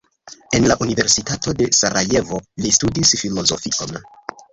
En la Universitato de Sarajevo li studis filozofion.